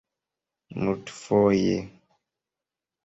multfoje